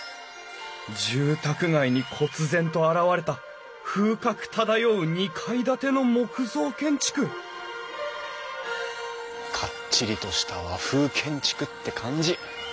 住宅街にこつ然と現れた風格漂う２階建ての木造建築かっちりとした和風建築って感じ。